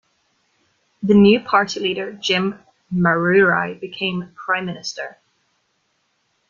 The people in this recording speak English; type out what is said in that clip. The new party leader, Jim Marurai, became Prime Minister.